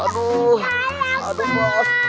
aduh aduh bos